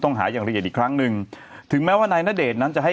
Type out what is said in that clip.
หาอย่างละเอียดอีกครั้งหนึ่งถึงแม้ว่านายณเดชน์นั้นจะให้